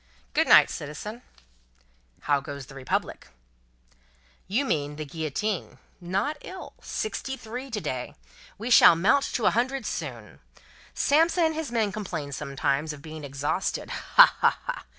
"Good night, citizen." "How goes the Republic?" "You mean the Guillotine. Not ill. Sixty three to day. We shall mount to a hundred soon. Samson and his men complain sometimes, of being exhausted. Ha, ha, ha!